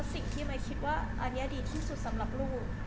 สิ่งที่ไม้คิดว่าอันนี้ดีที่สุดสำหรับลูก